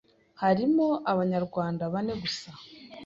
harimo Abanyarwanda bane gusa